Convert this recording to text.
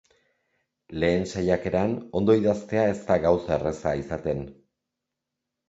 Lehen saiakeran ondo idaztea ez da gauza erraza izaten.